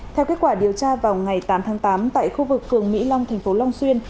theo kết quả điều tra vào ngày tám tháng tám tại khu vực phường mỹ long tp long xuyên